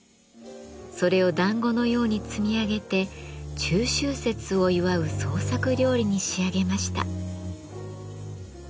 それをだんごのように積み上げて中秋節を祝う創作料理に仕上げました。